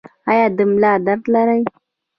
ایا د ملا درد لرئ؟